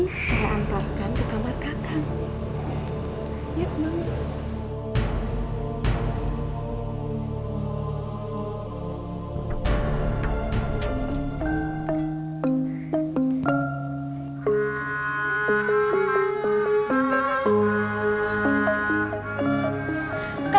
nanti kakak akan menginap di kamar kakak